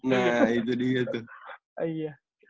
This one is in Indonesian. nah itu dia tuh